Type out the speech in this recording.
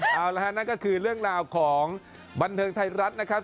เอาละฮะนั่นก็คือเรื่องราวของบันเทิงไทยรัฐนะครับ